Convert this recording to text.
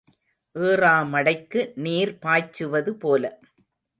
ஏறா மடைக்கு நீர் பாய்ச்சுவது போல.